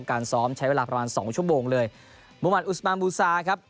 การซ้อมใช้เวลาประมาณสองชั่วโมงเลยมุมัติอุสมานบูซาครับ